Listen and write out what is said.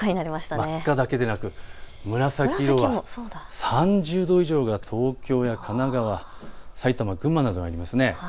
真っ赤だけでなく紫の所も、３０度以上の所が東京、神奈川、さいたま、群馬などにあります。